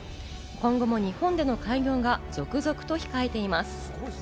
今後も日本での開業が続々と控えています。